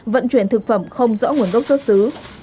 vận chuyển thực phẩm không rõ nguồn gốc xuất xứ